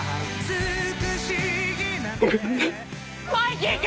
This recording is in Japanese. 「マイキー君！」